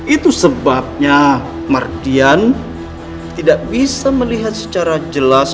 itu sebabnya mardian tidak bisa melihat secara jelas